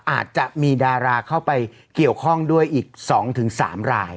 อาจจะมีดาราเข้าไปเกี่ยวข้องด้วยอีก๒๓ราย